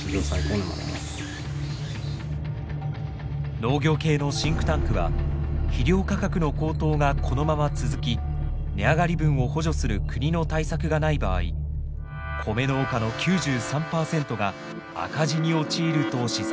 農業系のシンクタンクは肥料価格の高騰がこのまま続き値上がり分を補助する国の対策がない場合コメ農家の９３％が赤字に陥ると試算しています。